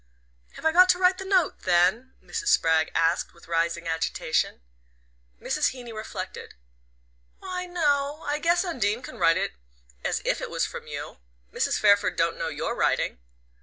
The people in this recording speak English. "Have I got to write the note, then?" Mrs. Spragg asked with rising agitation. Mrs. Heeny reflected. "Why, no. I guess Undine can write it as if it was from you. Mrs. Fairford don't know your writing."